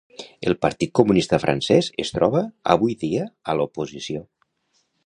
El Partit Comunista Francès es troba avui dia a l'oposició.